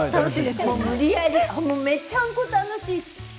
もう無理やりめちゃんこ楽しい。